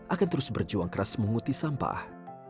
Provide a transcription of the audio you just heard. akan terus berjuang keras menguti sampah